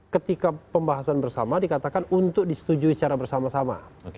ketika pembahasan bersama dikatakan untuk disetujui secara bersama sama